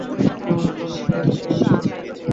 তোমার মত অনেক ছেলেদেরকে আমি লালন পালন করেছি।